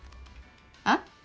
あっ？